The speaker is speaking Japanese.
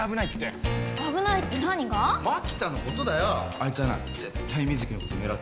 あいつはな絶対瑞稀のこと狙ってんぞ。